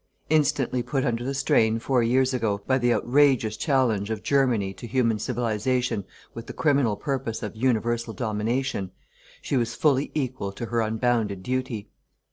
Instantly put under the strain, four years ago, by the outrageous challenge of Germany to human civilization with the criminal purpose of universal domination, she was fully equal to her unbounded duty.